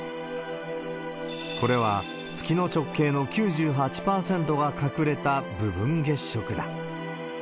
これは月の直径の９８％が隠れた部分月食だ。